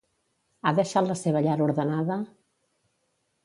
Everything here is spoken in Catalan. Ha deixat la seva llar ordenada?